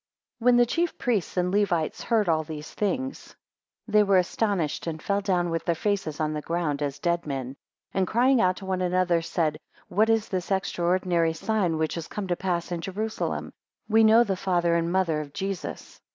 WHEN the chief priests and Levites heard all these things, they were astonished, and fell down with their faces on the ground as dead men, and crying out to one another, said, What is this extraordinary sign which is come to pass in Jerusalem? We know the father and mother of Jesus.